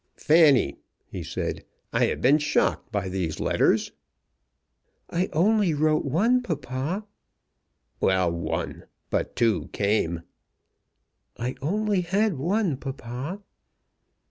"Fanny," he said, "I have been shocked by these letters." "I only wrote one, papa." "Well, one. But two came." "I only had one, papa."